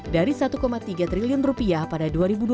dari satu tiga triliun rupiah pada dua ribu dua puluh